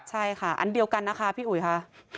ใช่ค่ะอันเดียวกันนะคะพี่อุ๋ยค่ะ